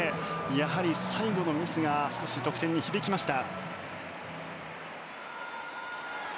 やはり最後のミスが少し得点に響きました。